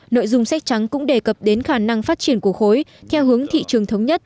nội dung sách trắng cũng đề cập đến khả năng phát triển của khối theo hướng thị trường thống nhất